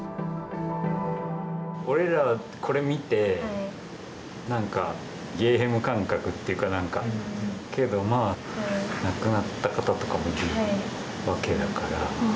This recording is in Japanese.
俺らこれ見て、なんかゲーム感覚っていうか、なんか、けどまあ、亡くなった方とかもいるわけだから。